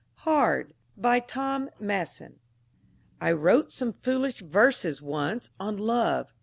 HARD BY TOM MASSON I wrote some foolish verses once On love.